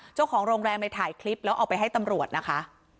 เจ้าของโรงแรมไปถ่ายคลิปแล้วเอาไปให้ตำรวจนะคะ